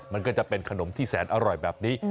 มันก็จะเป็นขนมที่แสนอร่อยแบบนี้